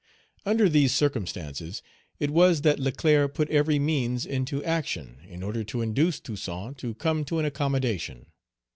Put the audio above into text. Under these circumstances it was that Leclerc put every means into action in order to induce Toussaint to come to an accommodation.